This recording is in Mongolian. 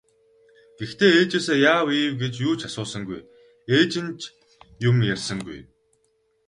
Гэхдээ ээжээсээ яав ийв гэж юу ч асуусангүй, ээж нь ч юм ярьсангүй.